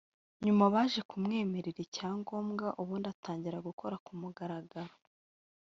nyuma baje kumwemerera icyangombwa ubundi atangira gukora ku mugaragaro